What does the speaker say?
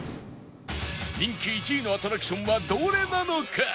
人気１位のアトラクションはどれなのか？